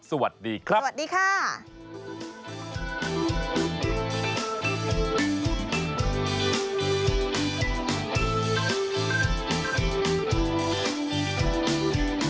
สวัสดีครับ